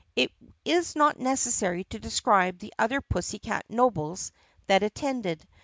It is not necessary to describe the other pussycat nobles that attended.